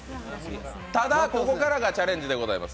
ただ、ここからがチャレンジでございます。